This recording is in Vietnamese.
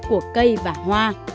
của cây và hoa